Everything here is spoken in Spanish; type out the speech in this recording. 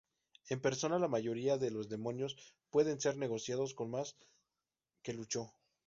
En Persona, la mayoría de los demonios pueden ser negociados con, más que luchó.